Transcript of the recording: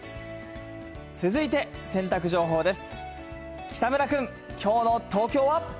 続いて洗濯情報です。